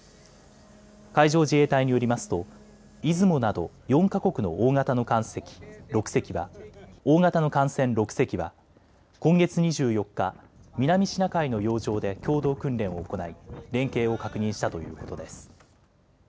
海上自衛隊によりますといずもなど４か国の大型の艦船６隻は今月２４日、南シナ海の洋上で共同訓練を行い連携を確認したということです。